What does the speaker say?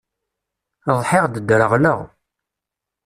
Ḍḥiɣ-d ddreɣleɣ.